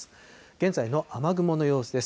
現在の雨雲の様子です。